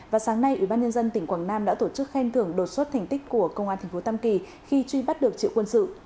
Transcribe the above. và sáng nay ubnd tỉnh quảng nam đã tổ chức khen thưởng đột xuất thành tích của công an tp tam kỳ khi truy bắt được triệu quân sự